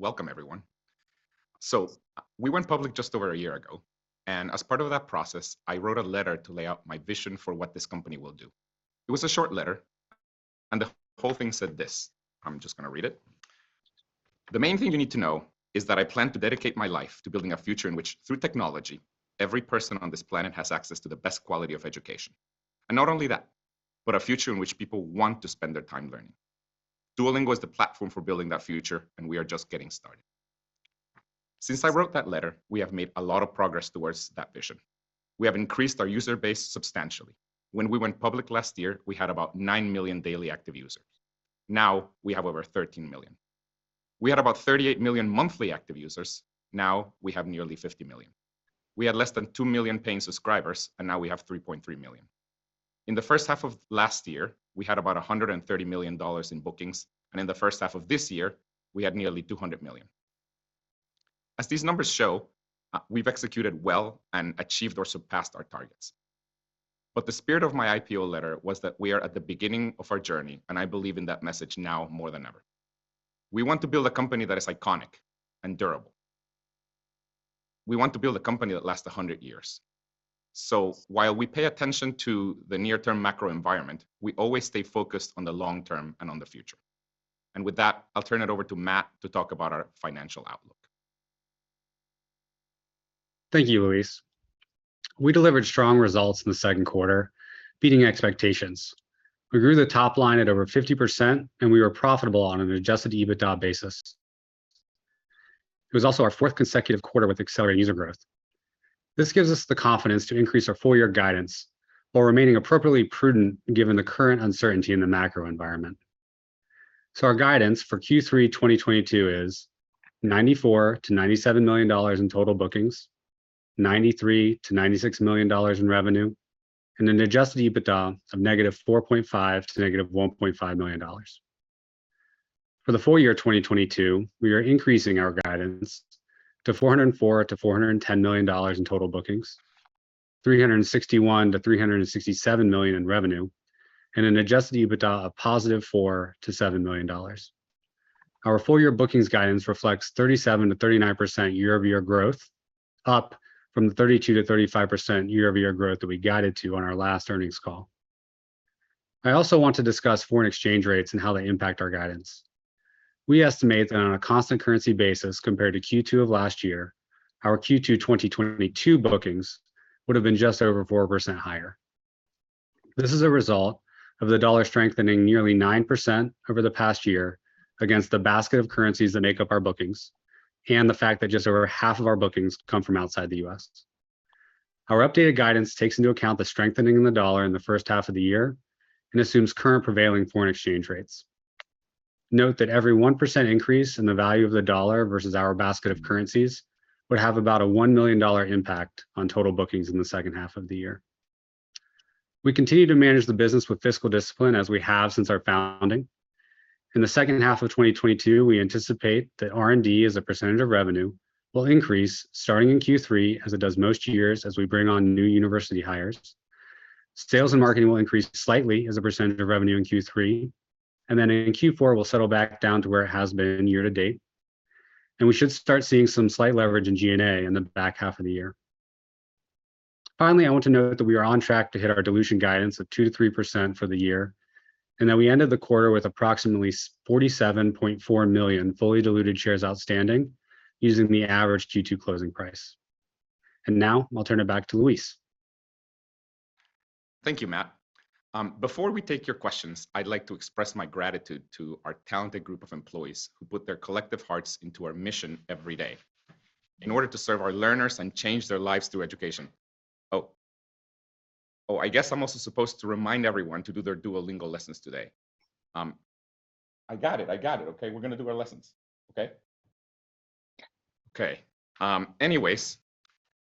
Welcome everyone. We went public just over a year ago, as part of that process, I wrote a letter to lay out my vision for what this company will do. It was a short letter, and the whole thing said this, I'm just gonna read it. "The main thing you need to know is that I plan to dedicate my life to building a future in which, through technology, every person on this planet has access to the best quality of education. And not only that, but a future in which people want to spend their time learning. Duolingo is the platform for building that future, and we are just getting started." Since I wrote that letter, we have made a lot of progress towards that vision. We have increased our user base substantially. When we went public last year, we had about 9 million daily active users. Now, we have over 13 million. We had about 38 million monthly active users, now, we have nearly 50 million. We had less than 2 million paying subscribers, and now we have 3.3 million. In the first half of last year, we had about $130 million in bookings, and in the first half of this year, we had nearly $200 million. As these numbers show, we've executed well and achieved or surpassed our targets. The spirit of my IPO letter was that we are at the beginning of our journey, and I believe in that message now more than ever. We want to build a company that is iconic and durable. We want to build a company that lasts a hundred years. While we pay attention to the near term macro environment, we always stay focused on the long term and on the future. With that, I'll turn it over to Matt to talk about our financial outlook. Thank you, Luis. We delivered strong results in the second quarter, beating expectations. We grew the top line at over 50%, and we were profitable on an adjusted EBITDA basis. It was also our fourth consecutive quarter with accelerated user growth. This gives us the confidence to increase our full-year guidance while remaining appropriately prudent given the current uncertainty in the macro environment. Our guidance for Q3 2022 is $94 million-$97 million in total bookings, $93 million-$96 million in revenue, and an adjusted EBITDA of -$4.5 million to -$1.5 million. For the full year 2022, we are increasing our guidance to $404 million-$410 million in total bookings, $361 million-$367 million in revenue, and an adjusted EBITDA of $4 million-$7 million. Our full year bookings guidance reflects 37%-39% year-over-year growth, up from the 32%-35% year-over-year growth that we guided to on our last earnings call. I also want to discuss foreign exchange rates and how they impact our guidance. We estimate that on a constant currency basis compared to Q2 of last year, our Q2 2022 bookings would have been just over 4% higher. This is a result of the dollar strengthening nearly 9% over the past year against the basket of currencies that make up our bookings, and the fact that just over half of our bookings come from outside the U.S. Our updated guidance takes into account the strengthening in the dollar in the first half of the year and assumes current prevailing foreign exchange rates. Note that every 1% increase in the value of the dollar versus our basket of currencies would have about a $1 million impact on total bookings in the second half of the year. We continue to manage the business with fiscal discipline as we have since our founding. In the second half of 2022, we anticipate that R&D, as a percentage of revenue, will increase, starting in Q3, as it does most years, as we bring on new university hires. Sales and marketing will increase slightly as a percentage of revenue in Q3, and then in Q4 will settle back down to where it has been year-to-date. We should start seeing some slight leverage in G&A in the back half of the year. Finally, I want to note that we are on track to hit our dilution guidance of 2%-3% for the year, and that we ended the quarter with approximately 47.4 million fully diluted shares outstanding using the average Q2 closing price. Now, I'll turn it back to Luis. Thank you, Matt. Before we take your questions, I'd like to express my gratitude to our talented group of employees, who put their collective hearts into our mission every day in order to serve our learners and change their lives through education. I guess I'm also supposed to remind everyone to do their Duolingo lessons today. I got it. Okay, we're gonna do our lessons. Okay. Anyways,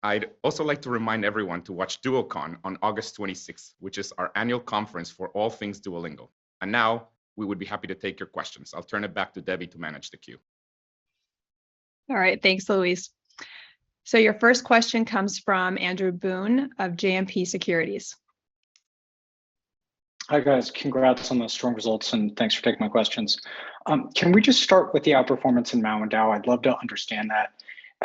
I'd also like to remind everyone to watch Duocon on August twenty-sixth, which is our annual conference for all things Duolingo. Now, we would be happy to take your questions. I'll turn it back to Debbie to manage the queue. All right. Thanks, Luis. Your first question comes from Andrew Boone of JMP Securities. Hi, guys. Congrats on those strong results, and thanks for taking my questions. Can we just start with the outperformance in MAU and DAU? I'd love to understand that.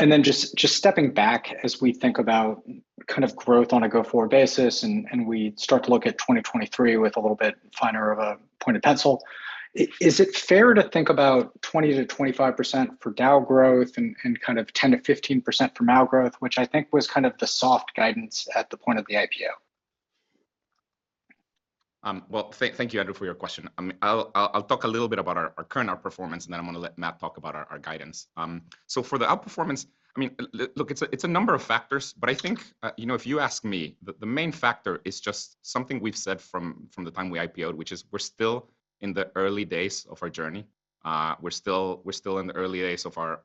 Then just stepping back as we think about kind of growth on a go forward basis and we start to look at 2023 with a little bit finer-pointed pencil, is it fair to think about 20%-25% for DAU growth and kind of 10%-15% for MAU growth, which I think was kind of the soft guidance at the point of the IPO? Well, thank you, Andrew, for your question. I'll talk a little bit about our current outperformance, and then I'm gonna let Matt talk about our guidance. For the outperformance, I mean, look, it's a number of factors, but I think, you know, if you ask me, the main factor is just something we've said from the time we IPO'd, which is we're still in the early days of our journey. We're still in the early days of our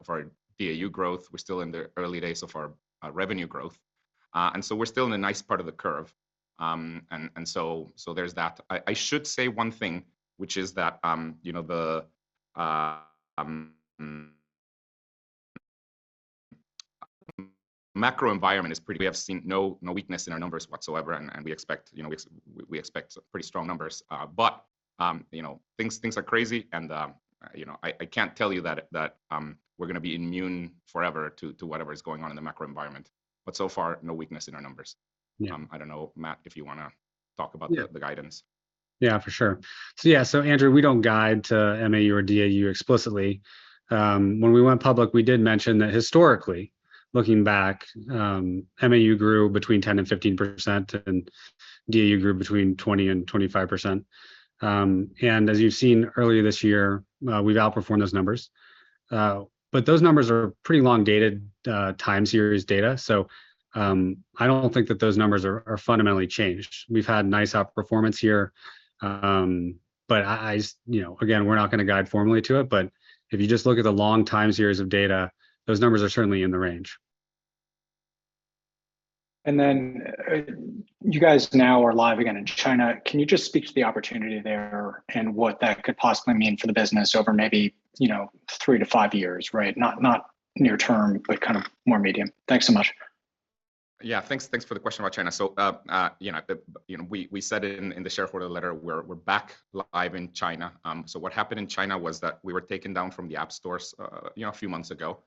DAU growth. We're still in the early days of our revenue growth. We're still in a nice part of the curve. There's that. I should say one thing, which is that, you know, the macro environment, we have seen no weakness in our numbers whatsoever, and we expect, you know, pretty strong numbers. You know, things are crazy and, you know, I can't tell you that we're gonna be immune forever to whatever is going on in the macro environment. So far, no weakness in our numbers. Yeah. I don't know, Matt, if you wanna talk about. Yeah the guidance. Yeah, for sure. Yeah, Andrew, we don't guide to MAU or DAU explicitly. When we went public, we did mention that historically, looking back, MAU grew between 10%-15%, and DAU grew between 20%-25%. As you've seen earlier this year, we've outperformed those numbers. Those numbers are pretty long dated time-series data. I don't think that those numbers are fundamentally changed. We've had nice outperformance here, but I you know, again, we're not gonna guide formally to it, but if you just look at the long time series of data, those numbers are certainly in the range. You guys now are live again in China. Can you just speak to the opportunity there and what that could possibly mean for the business over maybe, you know, three-five years, right? Not near term, but kind of more medium. Thanks so much. Yeah, thanks for the question about China. You know, we said it in the shareholder letter. We're back live in China. What happened in China was that we were taken down from the app stores, you know, a few months ago.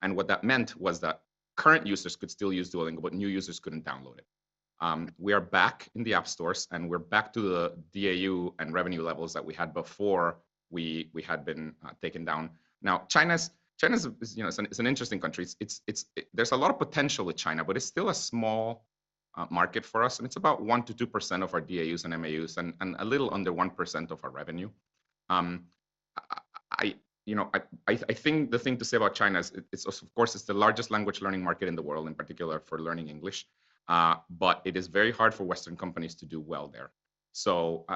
What that meant was that current users could still use Duolingo, but new users couldn't download it. We are back in the app stores, and we're back to the DAU and revenue levels that we had before we had been taken down. Now, China is an interesting country. It's a lot of potential with China, but it's still a small market for us, and it's about 1%-2% of our DAUs and MAUs and a little under 1% of our revenue. You know, I think the thing to say about China is it's, of course, it's the largest language learning market in the world, in particular for learning English, but it is very hard for Western companies to do well there.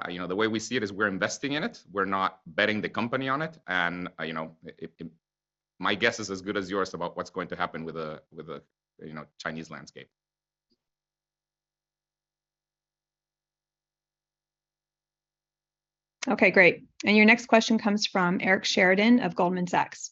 You know, the way we see it is we're investing in it. We're not betting the company on it, and you know, it, my guess is as good as yours about what's going to happen with a you know, Chinese landscape. Okay, great. Your next question comes from Eric Sheridan of Goldman Sachs.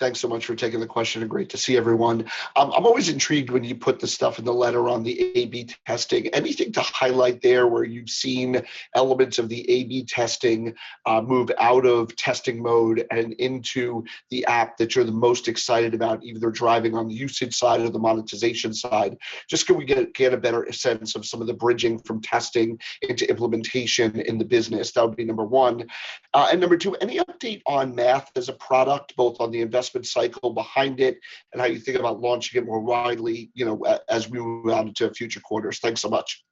Thanks so much for taking the question, and great to see everyone. I'm always intrigued when you put the stuff in the letter on the A/B testing. Anything to highlight there where you've seen elements of the A/B testing move out of testing mode and into the app that you're the most excited about, either driving on the usage side or the monetization side? Just can we get a better sense of some of the bridging from testing into implementation in the business? That would be number one. Number two, any update on Math as a product, both on the investment cycle behind it and how you think about launching it more widely, you know, as we move on into future quarters? Thanks so much.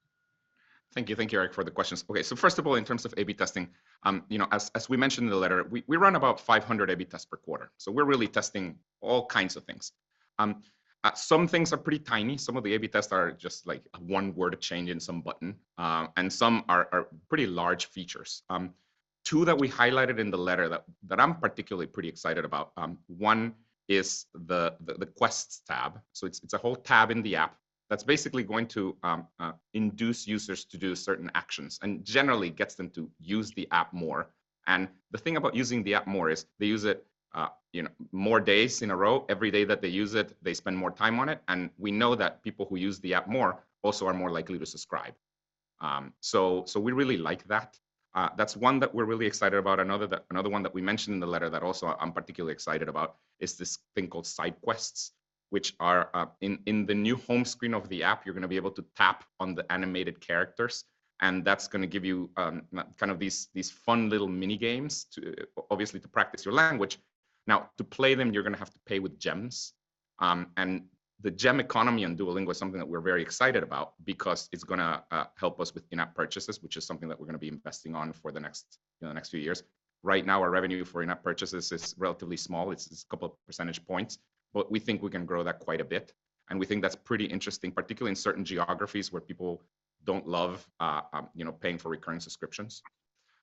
Thank you. Thank you, Eric, for the questions. Okay. First of all, in terms of A/B testing, you know, as we mentioned in the letter, we run about 500 A/B tests per quarter. We're really testing all kinds of things. Some things are pretty tiny. Some of the A/B tests are just, like, one word of change in some button, and some are pretty large features. Two that we highlighted in the letter that I'm particularly pretty excited about, one is the Quests tab. It's a whole tab in the app that's basically going to induce users to do certain actions and generally gets them to use the app more. The thing about using the app more is they use it, you know, more days in a row. Every day that they use it, they spend more time on it, and we know that people who use the app more also are more likely to subscribe. We really like that. That's one that we're really excited about. Another one that we mentioned in the letter that also I'm particularly excited about is this thing called Side Quests, which are in the new home screen of the app. You're gonna be able to tap on the animated characters, and that's gonna give you kind of these fun little mini games to obviously practice your language. Now, to play them, you're gonna have to pay with gems, and the gem economy on Duolingo is something that we're very excited about because it's gonna help us with in-app purchases, which is something that we're gonna be investing on for the next, you know, the next few years. Right now, our revenue for in-app purchases is relatively small. It's a couple percentage points, but we think we can grow that quite a bit, and we think that's pretty interesting, particularly in certain geographies where people don't love, you know, paying for recurring subscriptions.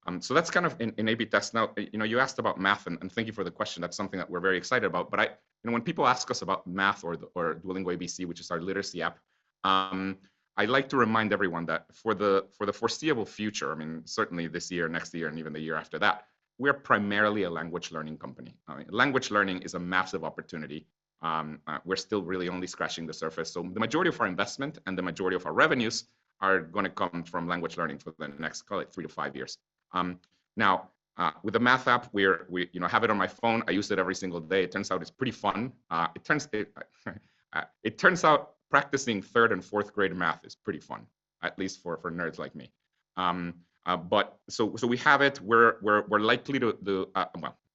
That's kind of an A/B test. Now, you know, you asked about Math, and thank you for the question. That's something that we're very excited about. I, you know, when people ask us about Math or Duolingo ABC, which is our literacy app, I like to remind everyone that for the foreseeable future, I mean, certainly this year, next year, and even the year after that, we are primarily a language learning company. I mean, language learning is a massive opportunity. We're still really only scratching the surface. The majority of our investment and the majority of our revenues are gonna come from language learning for the next, call it, three-five years. Now, with the Math app, we, you know, have it on my phone. I use it every single day. It turns out it's pretty fun. It turns out practicing third and fourth grade math is pretty fun, at least for nerds like me. We have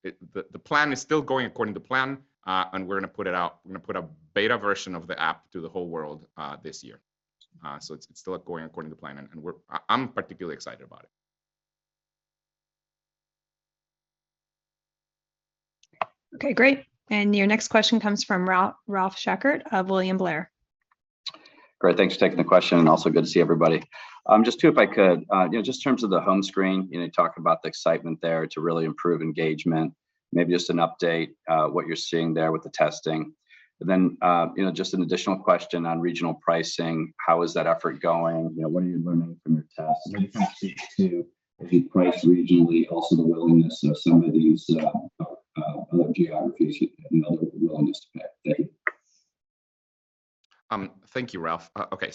it. The plan is still going according to plan, and we're gonna put it out. We're gonna put a beta version of the app to the whole world this year. It's still, like, going according to plan, and I'm particularly excited about it. Okay, great. Your next question comes from Ralph Schackart of William Blair. Great. Thanks for taking the question, and also good to see everybody. Just two, if I could. You know, just in terms of the home screen, you know, talking about the excitement there to really improve engagement, maybe just an update, what you're seeing there with the testing. You know, just an additional question on regional pricing. How is that effort going? You know, what are you learning from your tests? What are you trying to see to, if you price regionally, also the willingness of some of these other geographies and other willingness to pay? Thank you. Thank you, Ralph. Okay.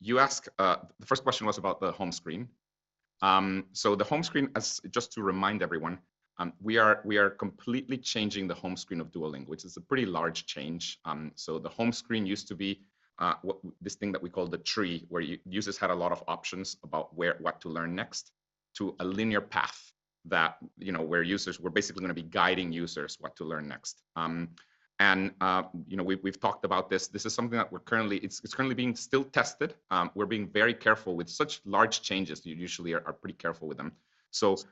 You asked. The first question was about the home screen. The home screen is just to remind everyone, we are completely changing the home screen of Duolingo, which is a pretty large change. The home screen used to be this thing that we call the tree, where users had a lot of options about what to learn next to a linear path that, you know, where we're basically gonna be guiding users what to learn next. You know, we've talked about this. This is something. It's currently still being tested. We're being very careful with such large changes. We usually are pretty careful with them.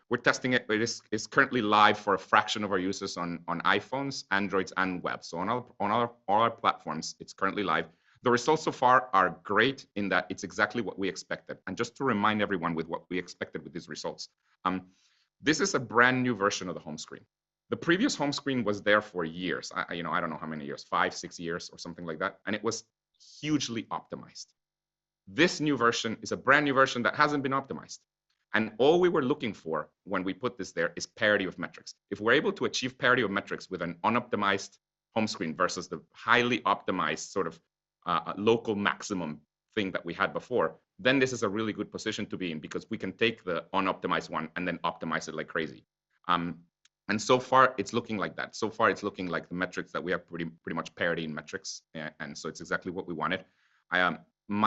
We're testing it, but it's currently live for a fraction of our users on iPhones, Androids, and web. On all our platforms, it's currently live. The results so far are great in that it's exactly what we expected. Just to remind everyone with what we expected with these results, this is a brand-new version of the home screen. The previous home screen was there for years. I you know, I don't know how many years, five, six years or something like that, and it was hugely optimized. This new version is a brand-new version that hasn't been optimized, and all we were looking for when we put this there is parity of metrics. If we're able to achieve parity of metrics with an unoptimized home screen versus the highly optimized sort of local maximum thing that we had before, then this is a really good position to be in because we can take the unoptimized one and then optimize it like crazy. So far it's looking like that. So far it's looking like the metrics that we have pretty much parity in metrics. It's exactly what we wanted. I,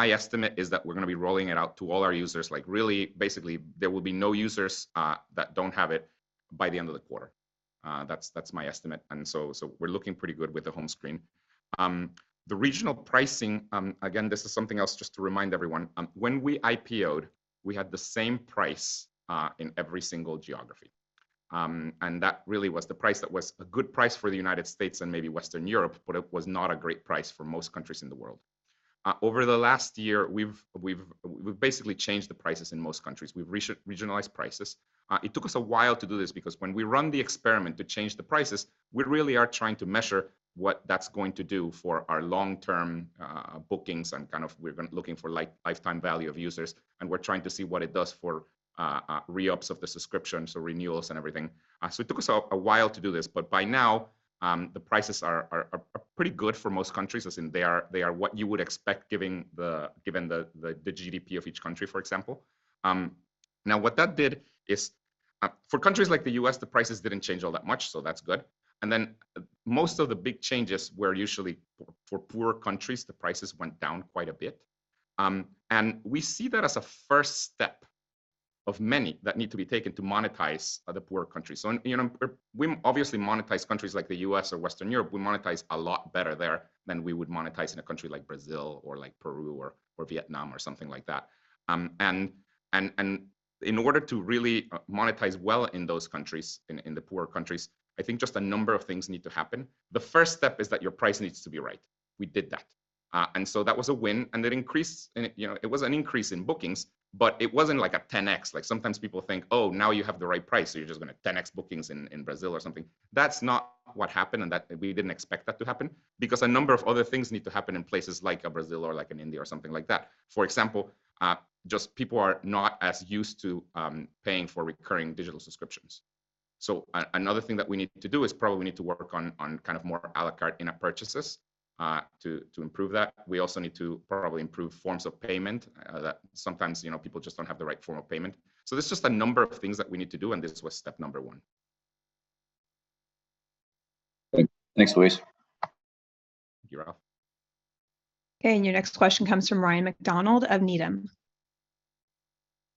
my estimate is that we're gonna be rolling it out to all our users, like really, basically, there will be no users that don't have it by the end of the quarter. That's my estimate. We're looking pretty good with the home screen. The regional pricing, again, this is something else just to remind everyone. When we IPO'd, we had the same price in every single geography. That really was the price that was a good price for the United States and maybe Western Europe, but it was not a great price for most countries in the world. Over the last year, we've basically changed the prices in most countries. We've regionalized prices. It took us a while to do this because when we run the experiment to change the prices, we really are trying to measure what that's going to do for our long-term bookings. Kind of we've been looking for like lifetime value of users, and we're trying to see what it does for re-ups of the subscriptions or renewals and everything. It took us a while to do this, but by now, the prices are pretty good for most countries, as in they are what you would expect given the GDP of each country, for example. Now what that did is, for countries like the U.S., the prices didn't change all that much, so that's good. Most of the big changes were usually for poorer countries, the prices went down quite a bit. We see that as a first step of many that need to be taken to monetize other poorer countries. You know, we obviously monetize countries like the U.S. or Western Europe. We monetize a lot better there than we would monetize in a country like Brazil or like Peru or Vietnam or something like that. In order to really monetize well in those countries, in the poorer countries, I think just a number of things need to happen. The first step is that your price needs to be right. We did that. That was a win, and it increased, and you know, it was an increase in bookings, but it wasn't like a 10x. Like sometimes people think, "Oh, now you have the right price, so you're just gonna 10x bookings in Brazil or something." That's not what happened, and we didn't expect that to happen because a number of other things need to happen in places like Brazil or like India or something like that. For example, just people are not as used to paying for recurring digital subscriptions. Another thing that we need to do is probably need to work on on kind of more à la carte in-app purchases to improve that. We also need to probably improve forms of payment that sometimes, you know, people just don't have the right form of payment. There's just a number of things that we need to do, and this was step number one. Thanks, Luis. Thank you, Ralph. Okay, your next question comes from Ryan MacDonald of Needham.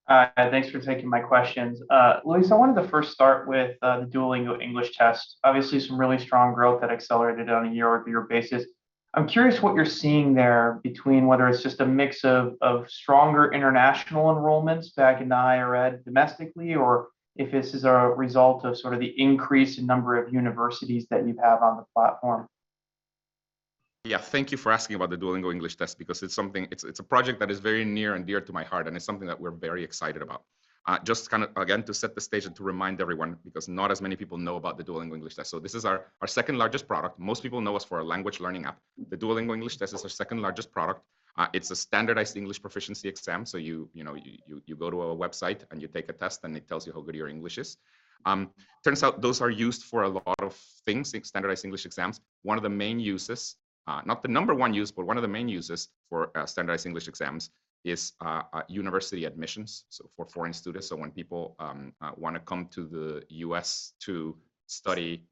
Thanks for taking my questions. Luis, I wanted to first start with the Duolingo English Test. Obviously, some really strong growth that accelerated on a year-over-year basis. I'm curious what you're seeing there between whether it's just a mix of stronger international enrollments or in the U.S. domestically, or if this is a result of sort of the increase in number of universities that you have on the platform. Yeah. Thank you for asking about the Duolingo English Test because it's a project that is very near and dear to my heart, and it's something that we're very excited about. Just to kind of again to set the stage and to remind everyone, because not as many people know about the Duolingo English Test. This is our second-largest product. Most people know us for our language learning app. The Duolingo English Test is our second-largest product. It's a standardized English proficiency exam. You know, you go to a website and you take a test, and it tells you how good your English is. Turns out those are used for a lot of things, standardized English exams. One of the main uses, not the number one use, but one of the main uses for standardized English exams is university admissions, so for foreign students. When people wanna come to the U.S. to study,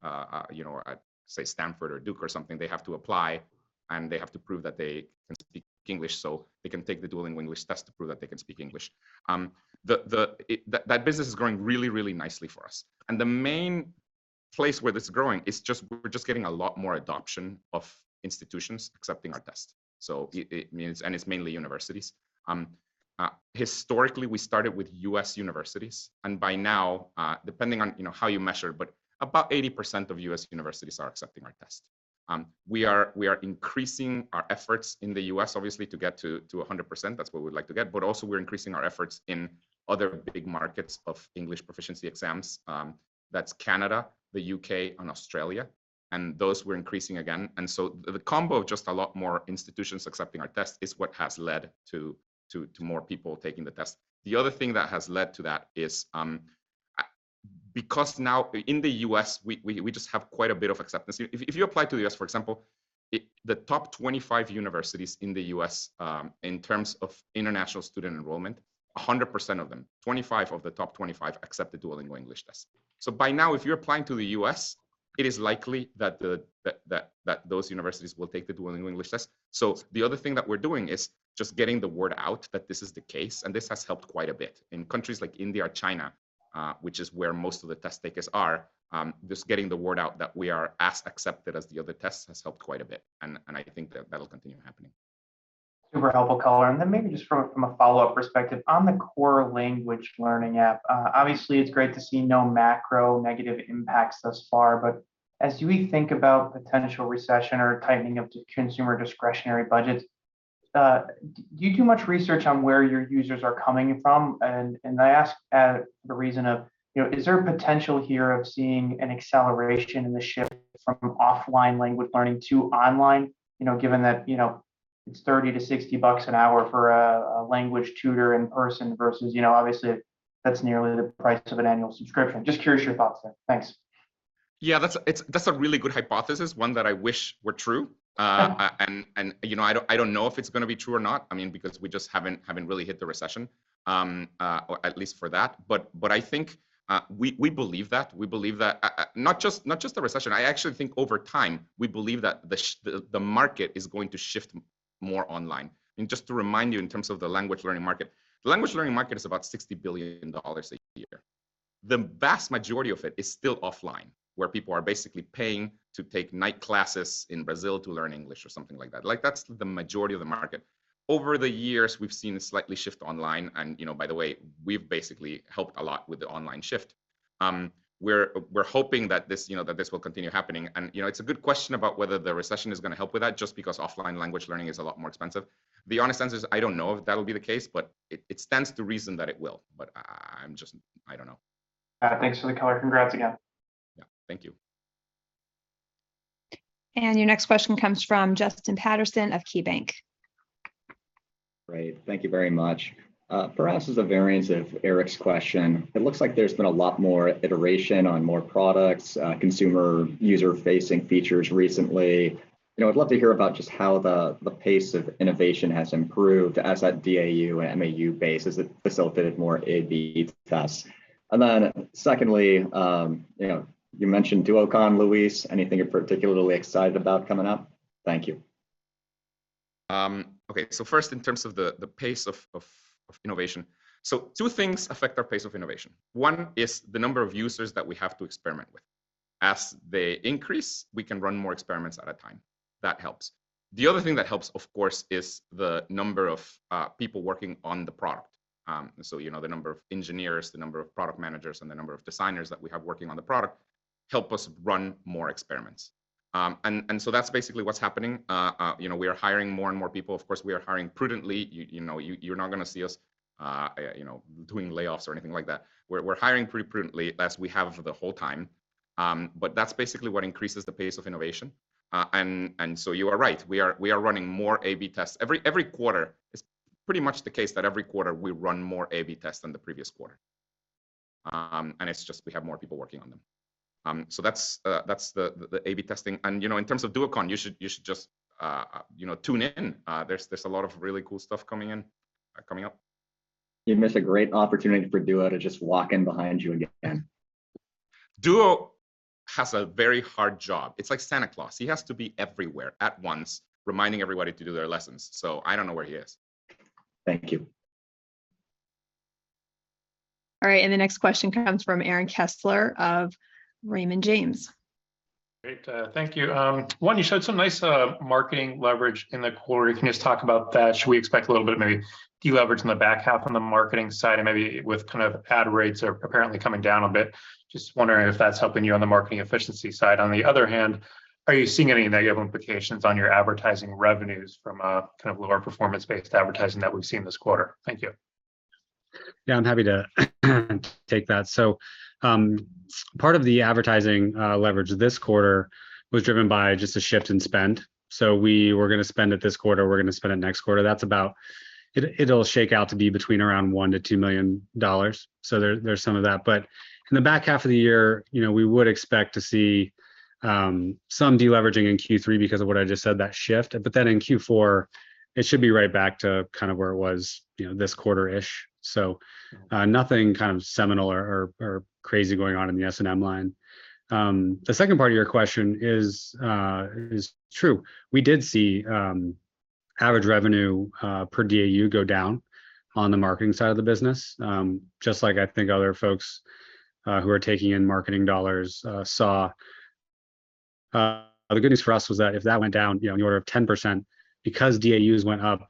you know, at, say, Stanford or Duke or something, they have to apply, and they have to prove that they can speak English, so they can take the Duolingo English Test to prove that they can speak English. That business is growing really, really nicely for us. The main place where it's growing is just we're just getting a lot more adoption of institutions accepting our test. It's mainly universities. Historically, we started with U.S. universities, and by now, depending on, you know, how you measure, but about 80% of U.S. universities are accepting our test. We are increasing our efforts in the U.S. obviously to get to 100%. That's what we'd like to get. We're increasing our efforts in other big markets of English proficiency exams. That's Canada, the U.K., and Australia, and those we're increasing again. The combo of just a lot more institutions accepting our test is what has led to more people taking the test. The other thing that has led to that is now in the U.S., we just have quite a bit of acceptance. If you apply to the U.S., for example, the top 25 universities in the U.S., in terms of international student enrollment, 100% of them, 25 of the top 25 accept the Duolingo English Test. By now, if you're applying to the U.S., it is likely that those universities will take the Duolingo English Test. The other thing that we're doing is just getting the word out that this is the case, and this has helped quite a bit. In countries like India or China, which is where most of the test takers are, just getting the word out that we are as accepted as the other tests has helped quite a bit, and I think that that'll continue happening. Super helpful color, and then maybe just from a follow-up perspective, on the core language learning app, obviously it's great to see no macro negative impacts thus far, but as we think about potential recession or tightening up to consumer discretionary budgets, do you do much research on where your users are coming from? And I ask the reason of, you know, is there potential here of seeing an acceleration in the shift from offline language learning to online? You know, given that, you know, it's $30-$60 an hour for a language tutor in person versus, you know, obviously that's nearly the price of an annual subscription. Just curious your thoughts there. Thanks. Yeah. That's a really good hypothesis, one that I wish were true. You know, I don't know if it's gonna be true or not. I mean, because we just haven't really hit the recession, or at least for that. I think we believe that. We believe that not just the recession. I actually think over time, we believe that the market is going to shift more online. Just to remind you in terms of the language learning market, the language learning market is about $60 billion a year. The vast majority of it is still offline, where people are basically paying to take night classes in Brazil to learn English or something like that. Like, that's the majority of the market. Over the years, we've seen a slight shift online and, you know, by the way, we've basically helped a lot with the online shift. We're hoping that this, you know, that this will continue happening. You know, it's a good question about whether the recession is gonna help with that, just because offline language learning is a lot more expensive. The honest answer is, I don't know if that'll be the case, but it stands to reason that it will. I'm just I don't know. Thanks for the color. Congrats again. Yeah. Thank you. Your next question comes from Justin Patterson of KeyBanc. Great. Thank you very much. For us, as a variant of Eric's question, it looks like there's been a lot more iteration on more products, consumer user-facing features recently. You know, I'd love to hear about just how the pace of innovation has improved as that DAU and MAU base has. Has it facilitated more A/B tests? And then secondly, you know, you mentioned Duocon, Luis. Anything you're particularly excited about coming up? Thank you. First in terms of the pace of innovation. Two things affect our pace of innovation. One is the number of users that we have to experiment with. As they increase, we can run more experiments at a time. That helps. The other thing that helps, of course, is the number of people working on the product. You know, the number of engineers, the number of product managers, and the number of designers that we have working on the product help us run more experiments. That's basically what's happening. You know, we are hiring more and more people. Of course, we are hiring prudently. You know, you're not gonna see us, you know, doing layoffs or anything like that. We're hiring pretty prudently as we have the whole time. That's basically what increases the pace of innovation. You are right. We are running more A/B tests. Every quarter is pretty much the case that every quarter we run more A/B tests than the previous quarter. It's just we have more people working on them. That's the A/B testing. You know, in terms of Duocon, you should just you know, tune in. There's a lot of really cool stuff coming up. You'd miss a great opportunity for Duo to just walk in behind you again. Duo has a very hard job. It's like Santa Claus. He has to be everywhere at once, reminding everybody to do their lessons. I don't know where he is. Thank you. All right, the next question comes from Aaron Kessler of Raymond James. Great. Thank you. One, you showed some nice marketing leverage in the quarter. Can you just talk about that? Should we expect a little bit of maybe deleverage in the back half on the marketing side and maybe with kind of ad rates are apparently coming down a bit? Just wondering if that's helping you on the marketing efficiency side. On the other hand, are you seeing any negative implications on your advertising revenues from kind of lower performance-based advertising that we've seen this quarter? Thank you. Yeah, I'm happy to take that. Part of the advertising leverage this quarter was driven by just a shift in spend. We were gonna spend it this quarter, we're gonna spend it next quarter. That's about. It'll shake out to be between around $1 million-$2 million. There's some of that. In the back half of the year, you know, we would expect to see some deleveraging in Q3 because of what I just said, that shift. Then in Q4, it should be right back to kind of where it was, you know, this quarter-ish. Nothing kind of seminal or crazy going on in the S&M line. The second part of your question is true. We did see average revenue per DAU go down on the marketing side of the business. Just like I think other folks who are taking in marketing dollars saw. The good news for us was that if that went down, you know, in the order of 10%, because DAUs went up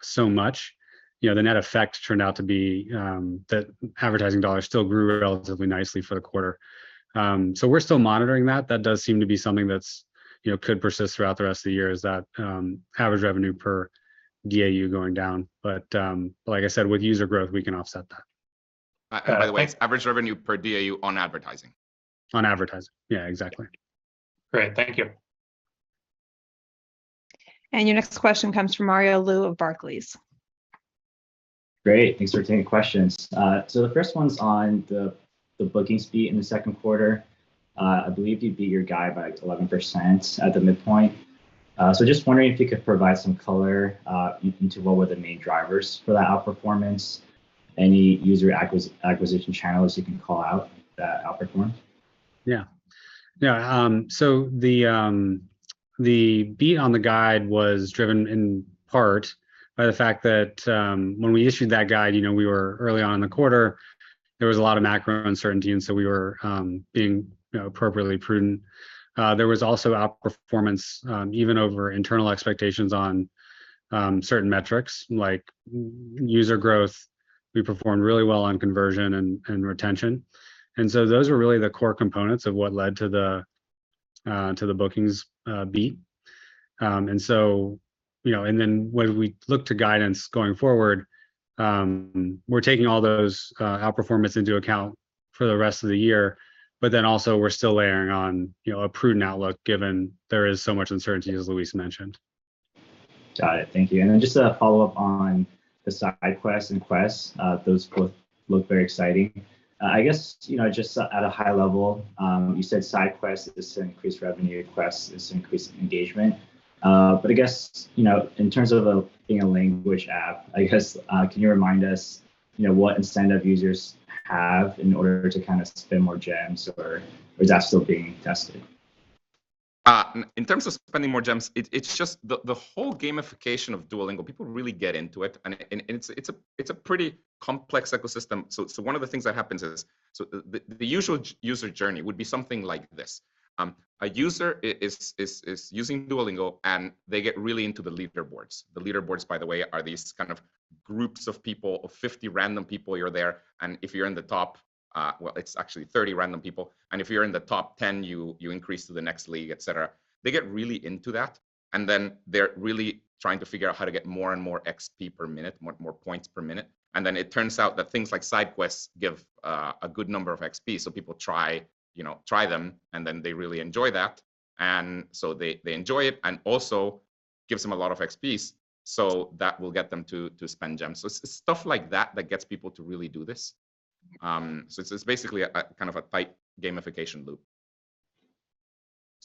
so much, you know, the net effect turned out to be that advertising dollars still grew relatively nicely for the quarter. So we're still monitoring that. That does seem to be something that's, you know, could persist throughout the rest of the year, is that average revenue per DAU going down. But like I said, with user growth, we can offset that. By the way. Thanks Average revenue per DAU on advertising. On advertising. Yeah, exactly. Great. Thank you. Your next question comes from Mario Lu of Barclays. Great. Thanks for taking the questions. The first one's on the bookings fee in the second quarter. I believe you beat your guide by 11% at the midpoint. Just wondering if you could provide some color into what were the main drivers for that outperformance, any user acquisition channels you can call out that outperformance? Yeah. Yeah. The beat on the guide was driven in part by the fact that, when we issued that guide, you know, we were early on in the quarter, there was a lot of macro uncertainty, and so we were being, you know, appropriately prudent. There was also outperformance, even over internal expectations on certain metrics, like user growth. We performed really well on conversion and retention. So those were really the core components of what led to the bookings beat. So, you know, and then when we look to guidance going forward, we're taking all those outperformance into account for the rest of the year. We're still layering on, you know, a prudent outlook, given there is so much uncertainty, as Luis mentioned. Got it. Thank you. Just a follow-up on the Side Quests and Quests. Those both look very exciting. I guess, you know, just at a high level, you said Side Quests is increased revenue, Quests is increased engagement. But I guess, you know, in terms of being a language app, I guess, can you remind us, you know, what incentive users have in order to kind of spend more gems, or is that still being tested? In terms of spending more gems, it's just the whole gamification of Duolingo, people really get into it, and it's a pretty complex ecosystem. One of the things that happens is, the usual user journey would be something like this. A user is using Duolingo, and they get really into the leaderboards. The leaderboards, by the way, are these kind of groups of people, of 50 random people, you're there, and if you're in the top. Well, it's actually 30 random people, and if you're in the top 10 you increase to the next league, et cetera. They get really into that, and then they're really trying to figure out how to get more and more XP per minute, more points per minute. Then it turns out that things like Side Quests give a good number of XP. People try, you know, try them, and then they really enjoy that. They enjoy it, and also gives them a lot of XP, so that will get them to spend gems. It's stuff like that that gets people to really do this. It's basically a kind of a tight gamification loop.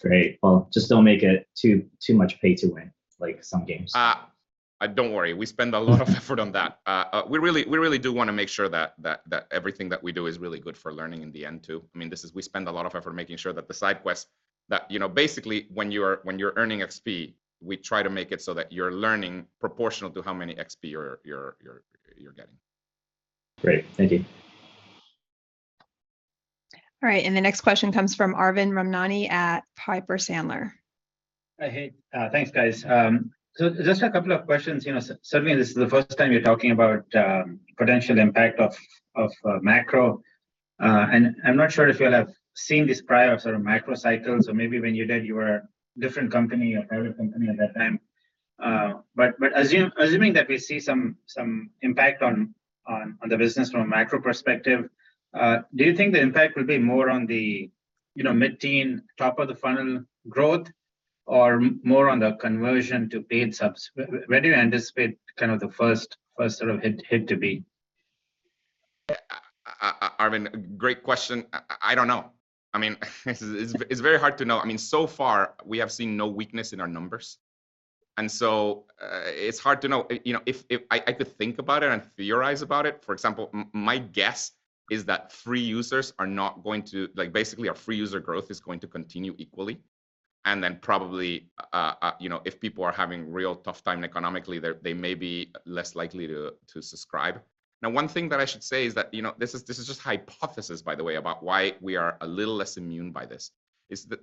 Great. Well, just don't make it too much pay-to-win like some games. Don't worry, we spend a lot of effort on that. We really do wanna make sure that everything that we do is really good for learning in the end too. I mean, we spend a lot of effort making sure that the Side Quests, you know, basically when you're earning XP, we try to make it so that you're learning proportional to how many XP you're getting. Great. Thank you. All right, the next question comes from Arvind Ramnani at Piper Sandler. Hey. Thanks, guys. Just a couple of questions. You know, certainly this is the first time you're talking about potential impact of macro, and I'm not sure if you'll have seen this prior sort of macro cycles or maybe when you did, you were a different company or private company at that time. Assuming that we see some impact on the business from a macro perspective, do you think the impact will be more on the mid-teen top of the funnel growth or more on the conversion to paid subs? Where do you anticipate kind of the first sort of hit to be? Arvind, great question. I don't know. I mean, this is very hard to know. I mean, so far we have seen no weakness in our numbers, so it's hard to know. You know, I could think about it and theorize about it. For example, my guess is that basically our free user growth is going to continue equally, and then probably you know, if people are having really tough time economically, they may be less likely to subscribe. Now, one thing that I should say is that you know, this is just hypothesis, by the way, about why we are a little less immune to this.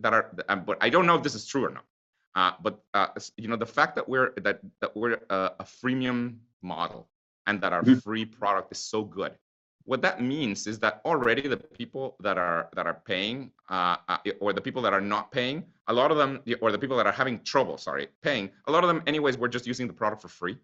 But I don't know if this is true or not. you know, the fact that we're a freemium model and that our free product is so good, what that means is that already the people that are paying or the people that are not paying, a lot of them, or the people that are having trouble, sorry, paying, a lot of them anyways were just using the product for free.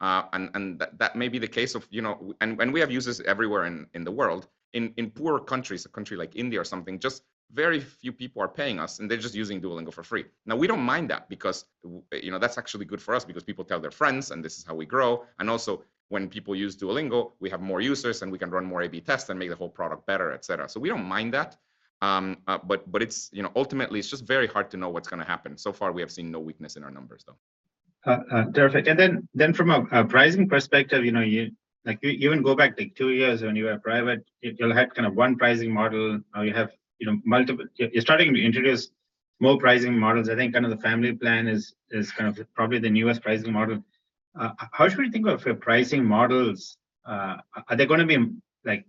That may be the case, you know. We have users everywhere in the world. In poorer countries, a country like India or something, just very few people are paying us, and they're just using Duolingo for free. Now, we don't mind that because you know, that's actually good for us because people tell their friends, and this is how we grow. Also, when people use Duolingo, we have more users, and we can run more A/B tests and make the whole product better, et cetera. We don't mind that. But it's, you know, ultimately it's just very hard to know what's gonna happen. So far we have seen no weakness in our numbers though. Terrific. From a pricing perspective, you know, you like you can go back two years when you were private. Y'all had kind of one pricing model. Now you have, you know, multiple. You're starting to introduce more pricing models. I think kind of the Family Plan is kind of probably the newest pricing model. How should we think of your pricing models? Are there gonna be, like,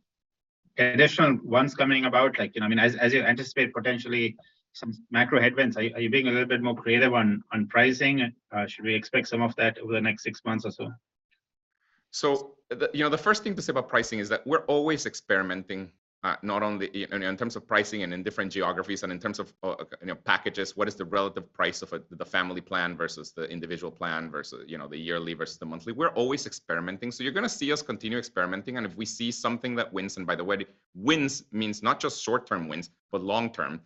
additional ones coming about? Like, you know what I mean? As you anticipate potentially some macro headwinds, are you being a little bit more creative on pricing? Should we expect some of that over the next six months or so? You know, the first thing to say about pricing is that we're always experimenting, not only in terms of pricing and in different geographies and in terms of, you know, packages. What is the relative price of the Family Plan versus the individual plan versus, you know, the yearly versus the monthly? We're always experimenting. You're gonna see us continue experimenting, and if we see something that wins, and by the way, wins means not just short-term wins, but long-term.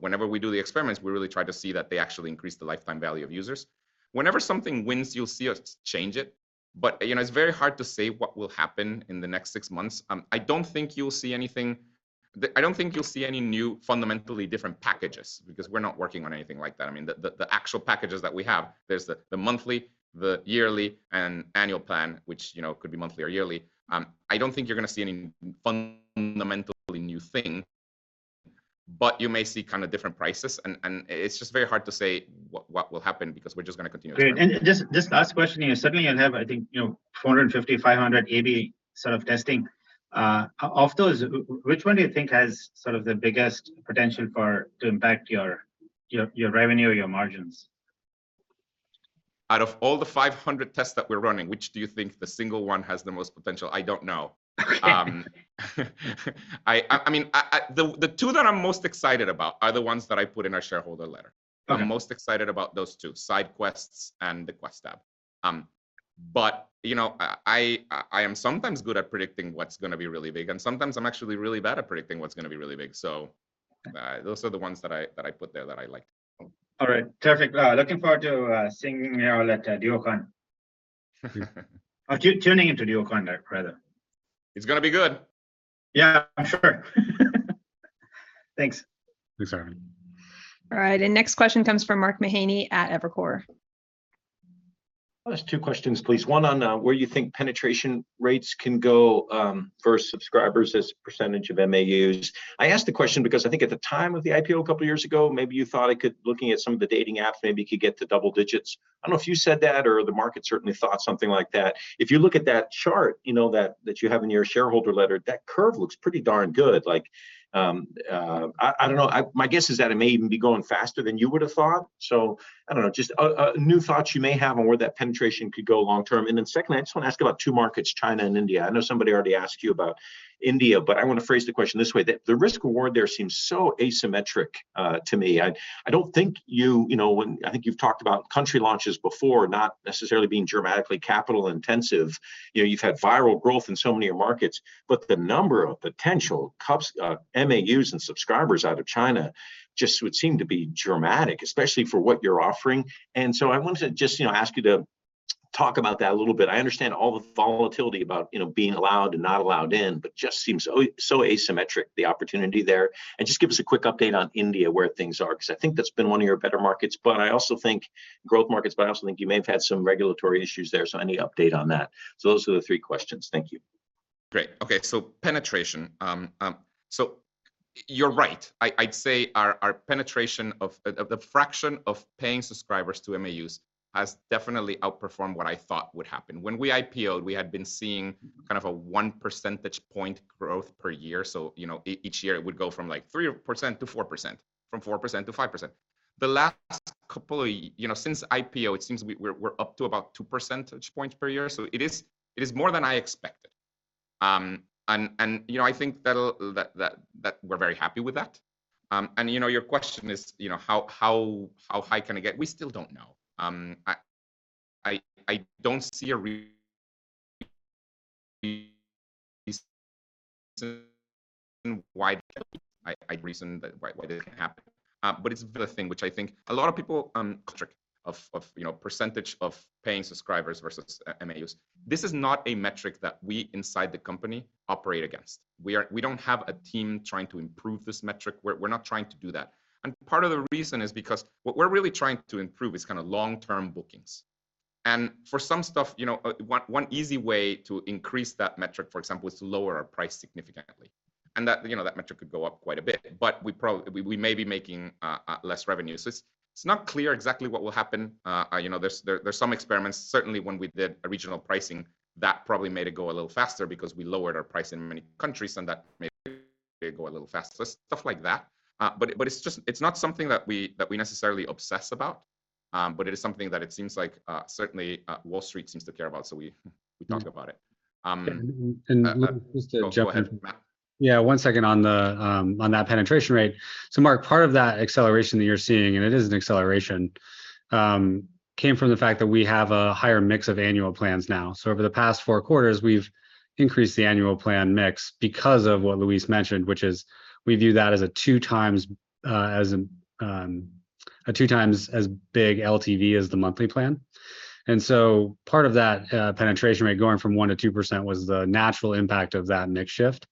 Whenever we do the experiments, we really try to see that they actually increase the lifetime value of users. Whenever something wins, you'll see us change it. You know, it's very hard to say what will happen in the next six months. I don't think you'll see any new fundamentally different packages because we're not working on anything like that. I mean, the actual packages that we have, there's the monthly, the yearly, and annual plan, which, you know, could be monthly or yearly. I don't think you're gonna see any fundamentally new thing, but you may see kind of different prices and it's just very hard to say what will happen because we're just gonna continue to experiment. Great. Just last question. You know, suddenly you'll have, I think, you know, 450-500 A/B sort of testing. Of those, which one do you think has sort of the biggest potential to impact your revenue or your margins? Out of all the 500 tests that we're running, which do you think the single one has the most potential? I don't know. Okay. I mean, the two that I'm most excited about are the ones that I put in our shareholder letter. Okay. I'm most excited about those two, Side Quests and the Quests tab. You know, I am sometimes good at predicting what's gonna be really big, and sometimes I'm actually really bad at predicting what's gonna be really big. Those are the ones that I put there that I liked. All right. Terrific. Looking forward to seeing you later at the Duocon. Or tuning into the Duocon, rather. It's gonna be good. Yeah, I'm sure. Thanks. Thanks, Arvind. All right. The next question comes from Mark Mahaney at Evercore. I'll ask two questions, please. One on where you think penetration rates can go for subscribers as a percentage of MAUs. I ask the question because I think at the time of the IPO a couple years ago, maybe you thought it could, looking at some of the dating apps, maybe it could get to double digits. I don't know if you said that or the market certainly thought something like that. If you look at that chart, you know, that you have in your shareholder letter, that curve looks pretty darn good. Like, I don't know. My guess is that it may even be going faster than you would have thought. I don't know, just new thoughts you may have on where that penetration could go long term. Secondly, I just want to ask about two markets, China and India. I know somebody already asked you about India, but I want to phrase the question this way. The risk reward there seems so asymmetric to me. I don't think you know, when I think you've talked about country launches before not necessarily being dramatically capital intensive. You know, you've had viral growth in so many markets, but the number of potential MAUs and subscribers out of China just would seem to be dramatic, especially for what you're offering. I wanted to just, you know, ask you to talk about that a little bit. I understand all the volatility about, you know, being allowed and not allowed in, but just seems so asymmetric, the opportunity there. Just give us a quick update on India, where things are, because I think that's been one of your better markets. I also think growth markets, but I also think you may have had some regulatory issues there, so any update on that. Those are the three questions. Thank you. Great. Okay. Penetration. You're right. I'd say our penetration of the fraction of paying subscribers to MAUs has definitely outperformed what I thought would happen. When we IPO'd, we had been seeing kind of a 1 percentage point growth per year. You know, each year it would go from like 3% to 4%, from 4% to 5%. The last couple of years, you know, since IPO, it seems to be we're up to about 2 percentage points per year. It is more than I expected. You know, I think that we're very happy with that. You know, your question is, you know, how high can it get? We still don't know. I don't see a reason why that can happen. But it's been a thing which I think a lot of people, you know, percentage of paying subscribers versus MAUs. This is not a metric that we inside the company operate against. We don't have a team trying to improve this metric. We're not trying to do that. Part of the reason is because what we're really trying to improve is kinda long-term bookings. For some stuff, you know, one easy way to increase that metric, for example, is to lower our price significantly. That metric could go up quite a bit, but we may be making less revenue. It's not clear exactly what will happen. You know, there's some experiments. Certainly, when we did a regional pricing, that probably made it go a little faster because we lowered our price in many countries, and that made it go a little faster. Stuff like that. But it's not something that we necessarily obsess about, but it is something that it seems like certainly Wall Street seems to care about, so we talk about it. Just to jump in. Go ahead, Matt. Yeah, one second on that penetration rate. Mark, part of that acceleration that you're seeing, and it is an acceleration, came from the fact that we have a higher mix of annual plans now. Over the past four quarters, we've increased the annual plan mix because of what Luis mentioned, which is we view that as two times as big LTV as the monthly plan. Part of that penetration rate going from 1% to 2% was the natural impact of that mix shift.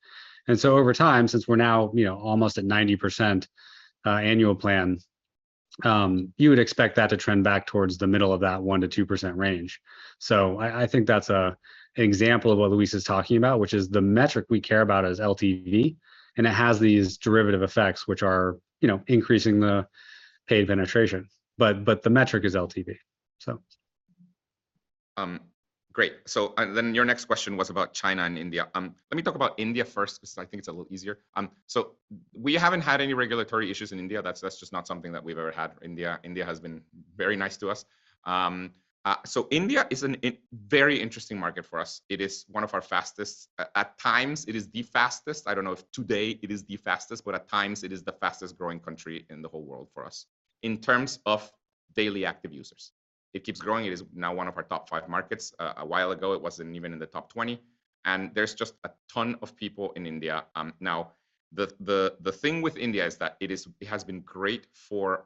Over time, since we're now, you know, almost at 90% annual plan, you would expect that to trend back towards the middle of that 1%-2% range. I think that's an example of what Luis is talking about, which is the metric we care about is LTV, and it has these derivative effects which are, you know, increasing the paid penetration. But the metric is LTV. Great. Your next question was about China and India. Let me talk about India first because I think it's a little easier. We haven't had any regulatory issues in India. That's just not something that we've ever had in India. India has been very nice to us. India is very interesting market for us. It is one of our fastest. At times it is the fastest. I don't know if today it is the fastest, but at times it is the fastest growing country in the whole world for us in terms of daily active users. It keeps growing. It is now one of our top five markets. A while ago, it wasn't even in the top 20. There's just a ton of people in India. Now the thing with India is that it has been great for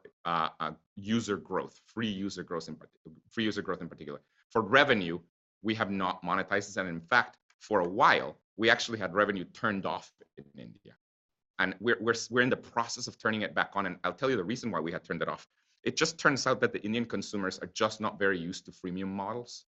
user growth, free user growth in particular. For revenue, we have not monetized this, and in fact, for a while, we actually had revenue turned off in India. We're in the process of turning it back on, and I'll tell you the reason why we had turned it off. It just turns out that the Indian consumers are just not very used to freemium models.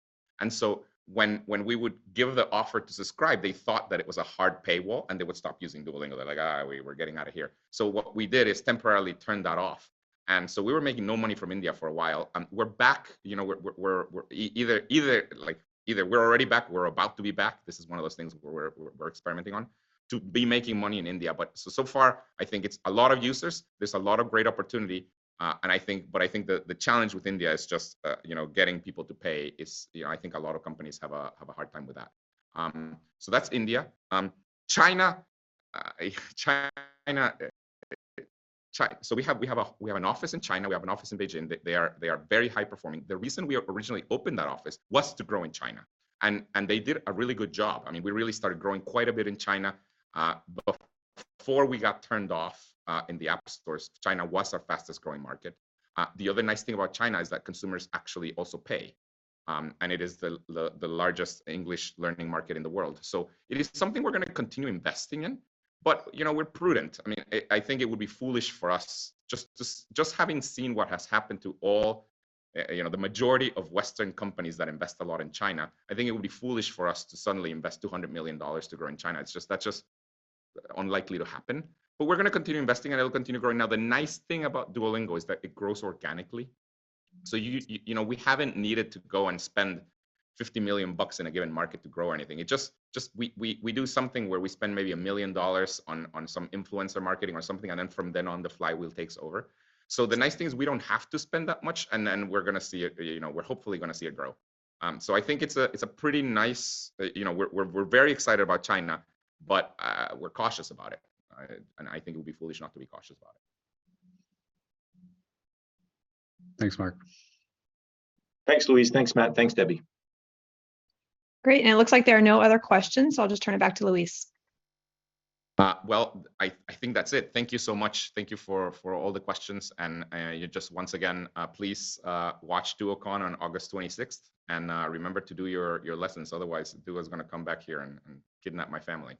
When we would give the offer to subscribe, they thought that it was a hard paywall, and they would stop using Duolingo. They're like, "We're getting out of here." What we did is temporarily turn that off, and we were making no money from India for a while. We're back. You know, we're either we're already back or we're about to be back. This is one of those things we're experimenting on to be making money in India. So far, I think it's a lot of users. There's a lot of great opportunity, and I think the challenge with India is just you know getting people to pay is you know I think a lot of companies have a hard time with that. That's India. China. We have an office in China. We have an office in Beijing. They are very high-performing. The reason we originally opened that office was to grow in China, and they did a really good job. I mean, we really started growing quite a bit in China before we got turned off in the app stores. China was our fastest-growing market. The other nice thing about China is that consumers actually also pay, and it is the the largest English learning market in the world. It is something we're gonna continue investing in, but you know, we're prudent. I mean, I think it would be foolish for us just having seen what has happened to all you know, the majority of Western companies that invest a lot in China, I think it would be foolish for us to suddenly invest $200 million to grow in China. It's just, that's just unlikely to happen. We're gonna continue investing, and it'll continue growing. Now, the nice thing about Duolingo is that it grows organically, so you know, we haven't needed to go and spend $50 million in a given market to grow or anything. We just do something where we spend maybe $1 million on some influencer marketing or something, and then from then on, the flywheel takes over. The nice thing is we don't have to spend that much, and then we're gonna see it, you know, we're hopefully gonna see it grow. I think it's a pretty nice, you know, we're very excited about China, but we're cautious about it. I think it would be foolish not to be cautious about it. Thanks, Mark. Thanks, Luis. Thanks, Matt. Thanks, Debbie. Great, and it looks like there are no other questions, so I'll just turn it back to Luis. Well, I think that's it. Thank you so much. Thank you for all the questions, just once again, please watch Duocon on August twenty-sixth. Remember to do your lessons, otherwise Duo's gonna come back here and kidnap my family.